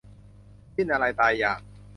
สิ้นอาลัยตายอยาก